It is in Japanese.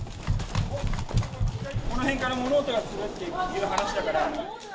この辺から物音がするって話だから。